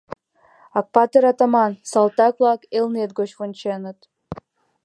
Акпатыр-атаман, салтак-влак Элнет гоч вонченыт.